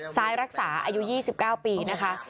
ซ้ายรักษาอายุ๒๙ปีนะคะ